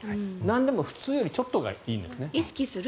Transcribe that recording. なんでも普通よりちょっとがいいんですね。